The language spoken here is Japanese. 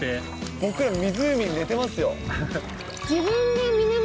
僕ら、湖に寝てますよ。